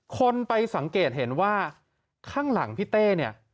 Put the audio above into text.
คนไปสังเกตเห็นว่าข้างหลังพี่เต้เนี่ย